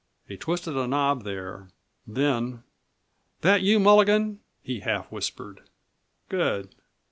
He twisted a knob there, then: "That you, Mulligan?" he half whispered. "Good!